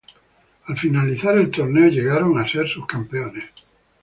Al finalizar el torneo llegaron a ser subcampeones.